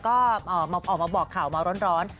ก็ออกมาบอกข่าวมาร้อน